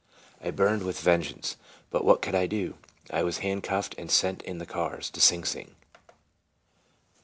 I burned with vengeance; but what could I do? I was handcuffed, and sent in the cars to Sing Sing.